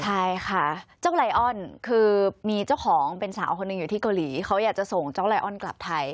ใช่ค่ะเจ้าไลออนคือมีเจ้าของเป็นสาวคนหนึ่งอยู่ที่เกาหลีเขาอยากจะส่งเจ้าไลออนกลับไทย